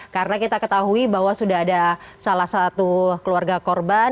karena kita ketahui bahwa sudah ada salah satu keluarga korban